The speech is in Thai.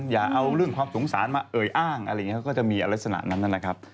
อย่าเอาเรื่องความสงสารมาเอ่ยอ้างอะไรอย่างนี้เขาก็จะมีลักษณะนั้นนะครับ